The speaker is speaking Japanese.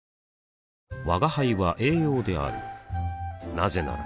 なぜなら